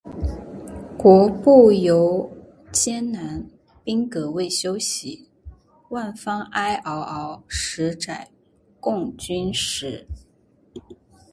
国步犹艰难，兵革未休息。万方哀嗷嗷，十载供军食。